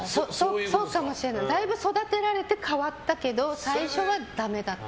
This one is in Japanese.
だいぶ育てられて変わったけど最初はダメだった。